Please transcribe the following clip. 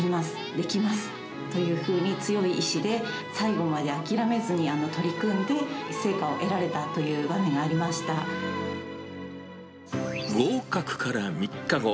できます！というふうに、強い意志で最後まで諦めずに取り組んで成果を得られたという場面合格から３日後。